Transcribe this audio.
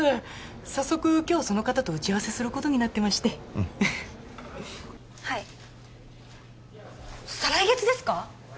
早速今日その方と打ち合わせすることになってましてはい再来月ですか！？